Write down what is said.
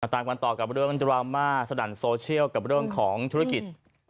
ตามกันต่อกับเรื่องดราม่าสนั่นโซเชียลกับเรื่องของธุรกิจ